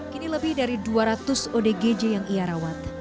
kini lebih dari dua ratus odgj yang ia rawat